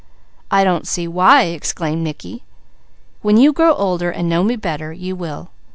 "I don't see why!" exclaimed Mickey. "When you grow older and know me better, you will."